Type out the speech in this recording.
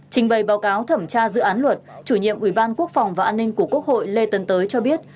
trình bày báo cáo thẩm tra dự án luật chủ nhiệm ủy ban quốc phòng và an ninh của quốc hội lê tấn tới cho biết